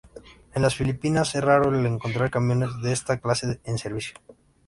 En las Filipinas es raro el encontrar camiones de esta clase en servicio.